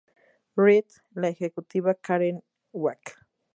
Reid, la ejecutiva Karen Kwak.